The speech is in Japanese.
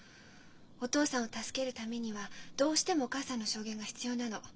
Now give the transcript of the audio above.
お父さんを助けるためにはどうしてもお母さんの証言が必要なの。